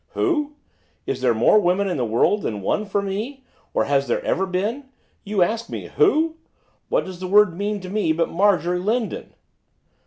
'Who? Is there more women in the world than one for me, or has there ever been? You ask me who! What does the word mean to me but Marjorie Lindon!